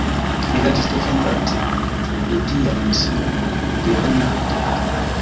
Li verkis defendante la dian mision de Johana de Arko.